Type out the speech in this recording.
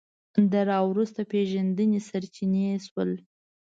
د راوروسته پېژندنې سرچینې شول